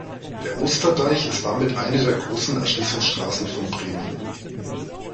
Der Osterdeich ist damit eine der großen Erschließungsstraßen von Bremen.